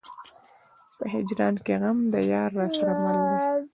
په هجران کې غم د يار راسره مل دی.